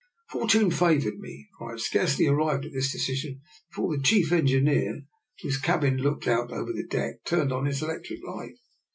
Fortune favoured me, for I had scarcely arrived at this deci sion before the chief engineer, whose cabin looked out over the deck, turned on his elec tric light.